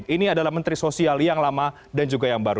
ini adalah menteri sosial yang lama dan juga yang baru